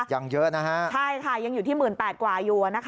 ยังเยอะนะฮะใช่ค่ะยังอยู่ที่๑๘๐๐กว่าอยู่